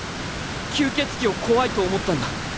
吸血鬼を怖いと思ったんだ。